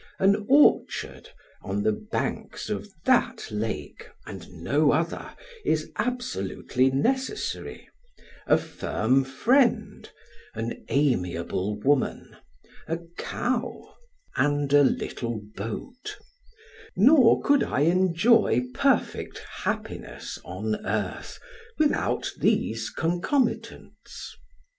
An orchard on the banks of that lake, and no other, is absolutely necessary; a firm friend, an amiable woman, a cow, and a little boat; nor could I enjoy perfect happiness on earth without these concomitants.